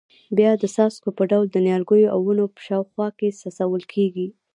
بیا د څاڅکو په ډول د نیالګیو او ونو په شاوخوا کې څڅول کېږي.